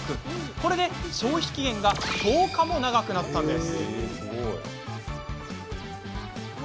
これで消費期限が１０日も長くなったんです。